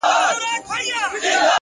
• د پېریانانو ښار ,